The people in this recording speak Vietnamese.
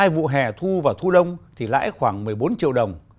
hai vụ hè thu và thu đông thì lãi khoảng một mươi bốn triệu đồng